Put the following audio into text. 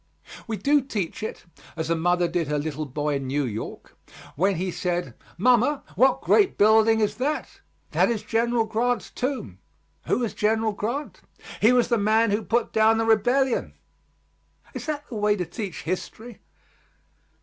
We do teach it as a mother did her little boy in New York when he said, "Mamma, what great building is that?" "That is General Grant's tomb." "Who was General Grant?" "He was the man who put down the rebellion." Is that the way to teach history?